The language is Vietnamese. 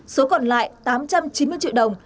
số còn lại tám trăm chín mươi triệu đồng